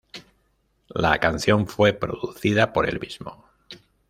La canción fue producida por el mismo.